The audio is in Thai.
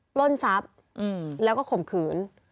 ปล้นซับแล้วก็ข่มขืน